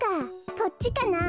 こっちかなあ。